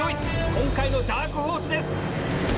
今回のダークホースです。